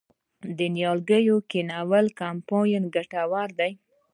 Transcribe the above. د نیالګیو کینول کمپاینونه ګټور دي؟